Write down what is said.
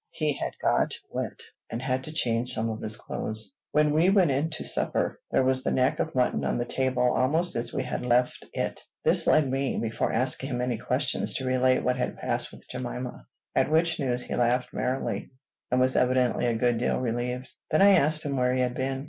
He had got wet, and had to change some of his clothes. When we went in to supper, there was the neck of mutton on the table, almost as we had left it. This led me, before asking him any questions, to relate what had passed with Jemima; at which news he laughed merrily, and was evidently a good deal relieved. Then I asked him where he had been.